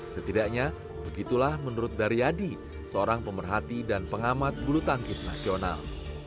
setidaknya begitulah menurut daryadi seorang pemerhati dan pengamat bulu tangkis nasional